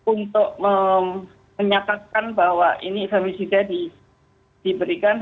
untuk menyatakan bahwa ini femisida diberikan